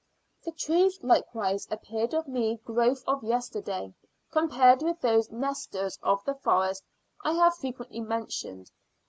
The trees likewise appeared of me growth of yesterday, compared with those Nestors of the forest I have frequently mentioned.